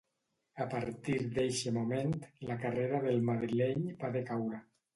A partir d'eixe moment, la carrera del madrileny va decaure.